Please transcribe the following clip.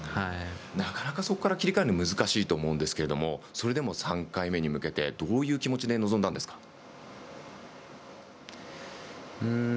なかなか、そこから切り替えるの難しいと思うんですがそれでも３回目に向けてどういう気持ちで臨んだんですか？